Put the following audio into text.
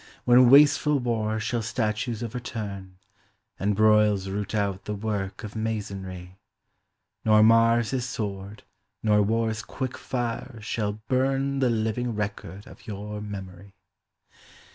When wasteful war shall statues overturn, And broils root out the work of masonry, Nor Mars his sword nor war's quick tire shall burn The living record of your memory.